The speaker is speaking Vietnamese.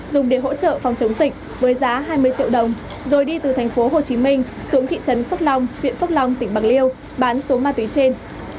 dùng để hỗ trợ phòng chống dịch với giá hai mươi triệu đồng rồi đi từ thành phố hồ chí minh xuống thị trấn phước long viện phước long tỉnh bạc liêu bán số ma túy trên